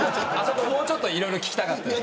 もうちょっといろいろ聞きたかったです。